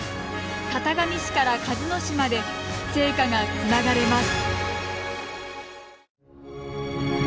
潟上市から鹿角市まで聖火がつながれます。